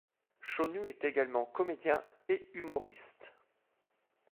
Chaunu est également comédien et humoriste.